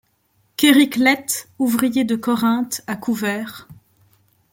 Qu'Eryclète, ouvrier de Corinthe, a couvert